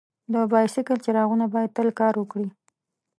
د بایسکل څراغونه باید تل کار وکړي.